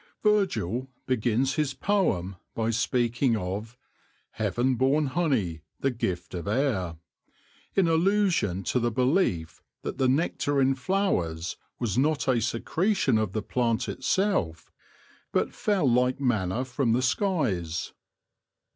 Virgil begins his poem by speaking of " heaven born honey, the gift of air," in allusion to the belief that the nectar in flowers was not a secretion of the plant itself, but fell like manna from the skies.